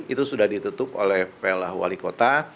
itu sudah ditutup oleh pl wali kota